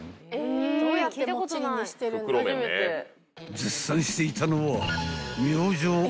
［絶賛していたのは］